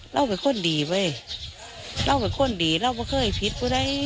เราเป็นคนดีเว้ยเราเป็นคนดีเราก็เคยผิดผู้ใด